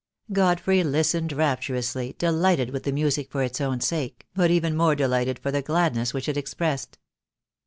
Godfrey listened rapturously, delighted with the music for its own sake, but even more delighted for the glad ness which it expressed.